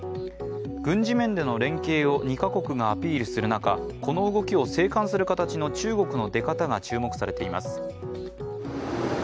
軍事面での連携を２か国がアピールする中、この動きを静観する形の中国の出方が注目されています。